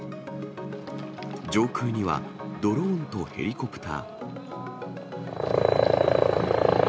上空にはドローンとヘリコプター。